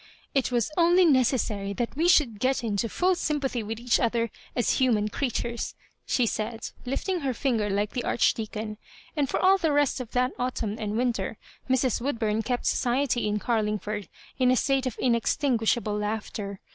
" It was only neces sary that we should get into full sympathy with each other as human creatures," she said, lifting her finger like the Archdeacon ; and for all the rest of that autumn and winter Mrs. Woodbum kept society in Carlingford in a state of inex tinguishable laughter.